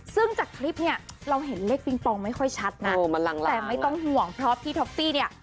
ซึ่งจากคลิปเนี่ยเราเห็นเลขปิงปองไม่ค่อยชัดนะแต่ไม่ต้องห่วงเพราะพี่ท็อฟฟี่เนี่ย